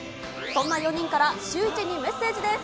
そんな４人から、シューイチにメッセージです。